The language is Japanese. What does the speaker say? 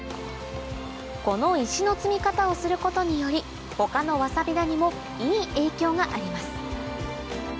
この石の積み方をすることにより他のわさび田にもいい影響があります